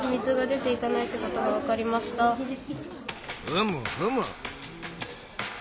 ふむふむ。